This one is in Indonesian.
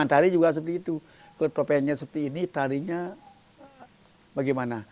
atau total toppenginya seperti ini topenginya se filter gimana